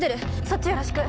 そっちよろしく！